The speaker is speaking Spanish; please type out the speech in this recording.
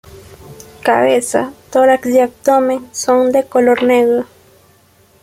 Cabeza, tórax y abdomen son de color negro.